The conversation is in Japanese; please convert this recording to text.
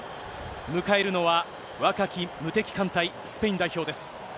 迎えるのは、若き無敵艦隊、スペイン代表です。